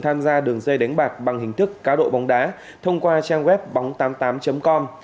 tham gia đường dây đánh bạc bằng hình thức cá độ bóng đá thông qua trang web bóng tám mươi tám com